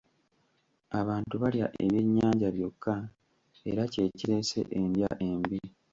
Abantu balya byennyanja byokka era ky'ekireese endya embi.